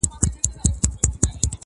او د هيواد هري سيمي ته سفرونه کوي